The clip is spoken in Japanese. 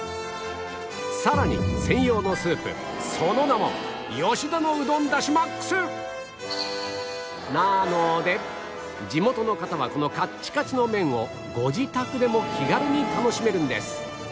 さらに専用のスープその名もなので地元の方はこのカッチカチの麺をご自宅でも気楽に楽しめるんです